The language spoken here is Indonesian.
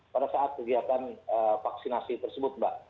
pada saat kegiatan vaksinasi tersebut mbak